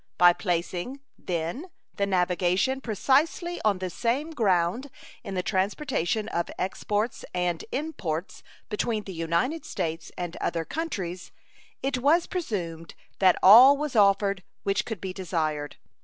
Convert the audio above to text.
By placing, then, the navigation precisely on the same ground in the transportation of exports and imports between the United States and other countries it was presumed that all was offered which could be desired.